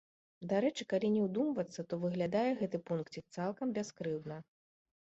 Дарэчы, калі не ўдумвацца, то выглядае гэты пункцік цалкам бяскрыўдна.